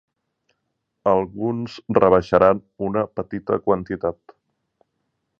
Alguns rebaixaran una petita quantitat.